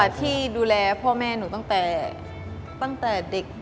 ใช่ค่ะที่ดูแลพ่อแม่หนูตั้งแต่เด็ก